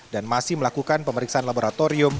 dan masih melakukan pemeriksaan laborator